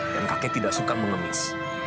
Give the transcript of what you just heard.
dan kakek tidak suka mengemis